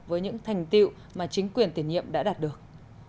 với những thành tiệu mà chính quyền tiền nhiệm đã đạt được